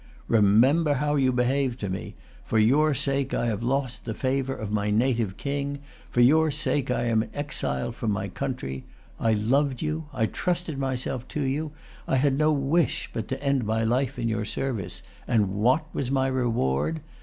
"Remember how you behaved to me. For your sake I have lost the favor of my native king. For your sake I am an exile from my country. I loved you. I trusted myself to you. I had no wish but to end my life in your service. And what was my reward?